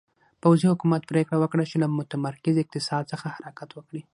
پوځي حکومت پرېکړه وکړه چې له متمرکز اقتصاد څخه حرکت وکړي.